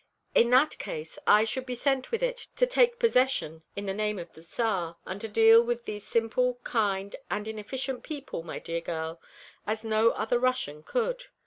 In that case I should be sent with it to take possession in the name of the Tsar, and to deal with these simple, kind and inefficient people, my dear girl as no other Russian could.